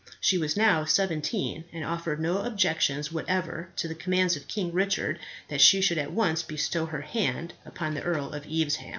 She was now seventeen, and offered no objections whatever to the commands of King Richard that she should at once bestow her hand upon the Earl of Evesham.